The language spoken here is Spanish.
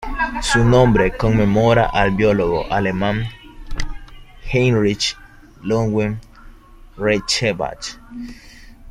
Su nombre conmemora al biólogo alemán Heinrich Ludwig Reichenbach.